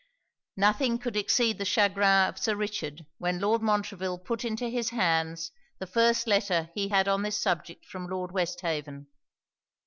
Nothing could exceed the chagrin of Sir Richard when Lord Montreville put into his hands the first letter he had on this subject from Lord Westhaven.